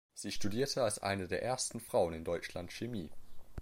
Sie studierte als eine der ersten Frauen in Deutschland Chemie.